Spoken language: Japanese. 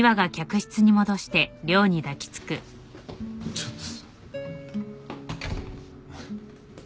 ちょっと。